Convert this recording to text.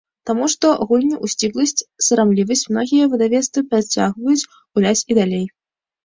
Таму што гульню ў сціпласць і сарамлівасць многія выдавецтвы працягваюць гуляць і далей.